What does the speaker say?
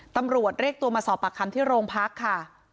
ตำรวจเรียกตัวมาสอบปากคำที่โรงพักค่ะ